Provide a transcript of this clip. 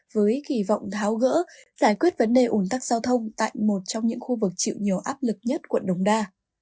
với kỳ vọng tháo gỡ giải quyết vấn đề ủn tắc giao thông tại một trong những khu vực chịu nhiều áp lực nhất quận đồng đa